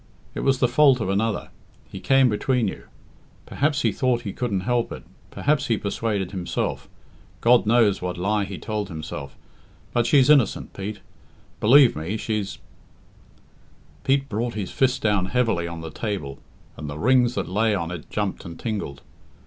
It was the fault of another. He came between you. Perhaps he thought he couldn't help it perhaps he persuaded himself God knows what lie he told himself but she's innocent, Pete; believe me, she's " Pete brought his fist down heavily on the table, and the rings that lay on it jumped and tingled.